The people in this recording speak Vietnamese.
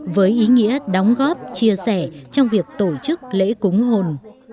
với ý nghĩa đóng góp chia sẻ trong việc tổ chức lễ cúng hồn